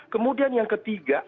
kemudian yang ketiga